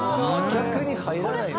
「逆に入らない」